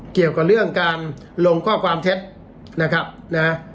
เกี่ยวกับเรื่องการลงข้อความเท็จนะครับนะ